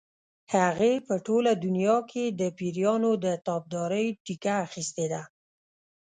هغې په ټوله دنیا کې د پیریانو د تابعدارۍ ټیکه اخیستې ده.